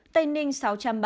tây ninh sáu trăm ba mươi hai